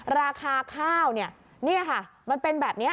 ราคาข้าวมันเป็นแบบนี้